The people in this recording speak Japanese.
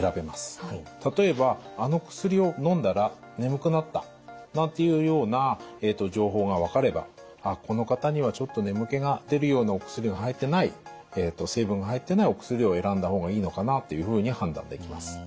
例えば「あの薬をのんだら眠くなった」なんていうような情報が分かれば「この方にはちょっと眠気が出るようなお薬が入ってない成分が入ってないお薬を選んだ方がいいのかな」というふうに判断できます。